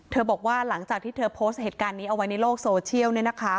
บอกว่าหลังจากที่เธอโพสต์เหตุการณ์นี้เอาไว้ในโลกโซเชียล